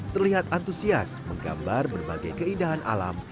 terlihat antusias menggambar berbagai keindahan alam